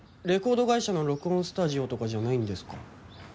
レコード会社の録音スタジオとかじゃないんですか？